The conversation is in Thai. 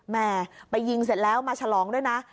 แม่ไปยิงเสร็จแล้วมาฉลองด้วยนะ